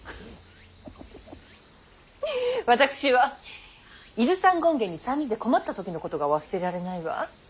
私は伊豆山権現に３人で籠もった時のことが忘れられないわ。